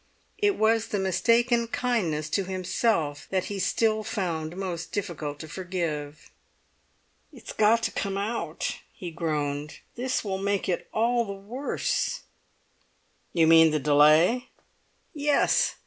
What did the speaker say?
It was the mistaken kindness to himself that he still found most difficult to forgive. "It's got to come out," he groaned; "this will make it all the worse." "You mean the delay?" "Yes!